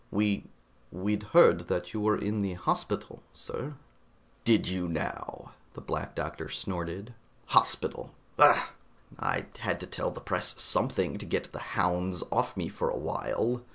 "We we'd heard that you were in the hospital, sir." "Did you, now!" the Black Doctor snorted. "Hospital! Bah! I had to tell the press something to get the hounds off me for a while.